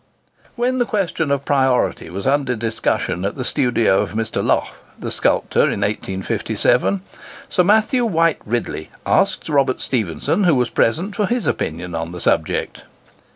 When the question of priority was under discussion at the studio of Mr. Lough, the sculptor, in 1857, Sir Matthew White Ridley asked Robert Stephenson, who was present, for his opinion on the subject.